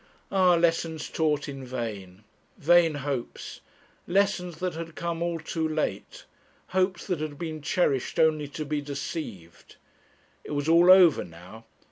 Ah! lessons taught in vain! vain hopes! lessons that had come all too late! hopes that had been cherished only to be deceived! It was all over now!